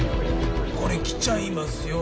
これ来ちゃいますよ